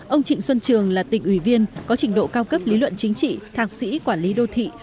ông trịnh xuân trường là tỉnh ủy viên có trình độ cao cấp lý luận chính trị thạc sĩ quản lý đô thị